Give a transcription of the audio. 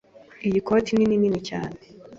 Iyi koti nini nini cyane.